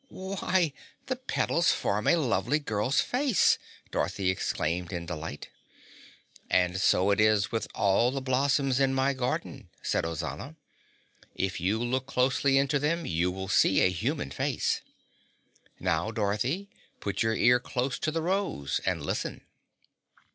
"Why, the petals form a lovely girl's face!" Dorothy exclaimed in delight. "And so it is with all the blossoms in my garden," said Ozana. "If you look closely into them, you will see a human face. Now, Dorothy, put your ear close to the rose and listen."